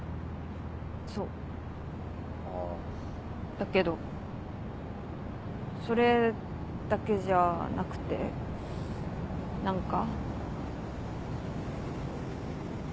だけどそれだけじゃなくて何か。